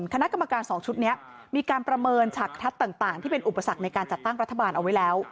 คณะกรรมการ๒ชุดนี้มีการประเมินฉากทัศน์ต่างที่เป็นอุปสรรคในการจัดตั้งรัฐบาลเอาไว้แล้ว